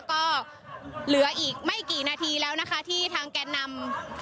ก็เหลืออีกไม่กี่นาทีแล้วนะคะที่ทางแกนนำ